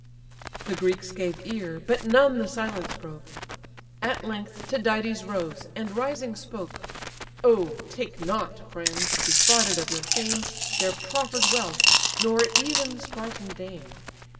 The Greeks gave ear, but none the silence broke; At length Tydides rose, and rising spoke: "Oh, take not, friends! defrauded of your fame, Their proffer'd wealth, nor even the Spartan dame.